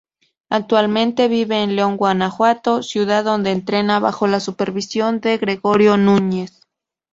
Actualmente vive en León, Guanajuato, ciudad donde entrena bajo la supervisión de Gregorio Núñez.